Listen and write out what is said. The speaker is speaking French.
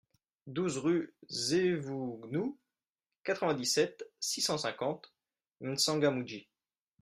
douze rue Zevougnou, quatre-vingt-dix-sept, six cent cinquante, M'Tsangamouji